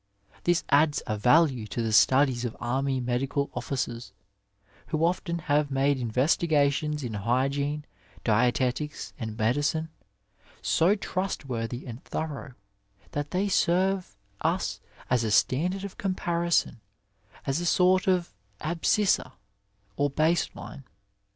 This adds a value to the studies of army medical officeis, who often have made investigations in hygiene, dietetics, and medicine, so trustworthy and thorough that they serve us as a standard of comparison, as a sort of abscissa or base line.